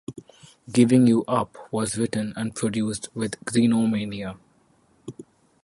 "Giving You Up" was written and produced with Xenomania.